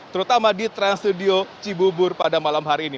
terutama di trans studio cibubur pada malam hari ini